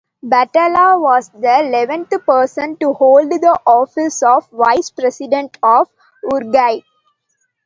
Batalla was the eleventh person to hold the office of Vice President of Uruguay.